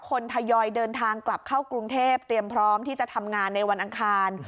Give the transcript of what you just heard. ทยอยเดินทางกลับเข้ากรุงเทพเตรียมพร้อมที่จะทำงานในวันอังคาร